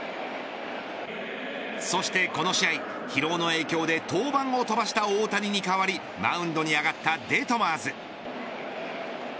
そしてこの試合、疲労の影響で登板を飛ばした大谷に代わりマウンドに上がったデトマーズ。